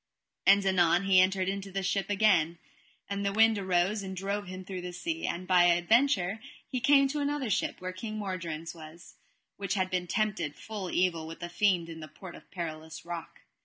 And anon he entered into the ship again, and the wind arose, and drove him through the sea, that by adventure he came to another ship where King Mordrains was, which had been tempted full evil with a fiend in the Port of Perilous Rock.